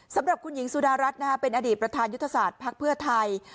สำหรับคุณหญิงสุดารัฐเป็นอดีตประธานยุทธศาสตร์ภักดิ์เพื่อไทย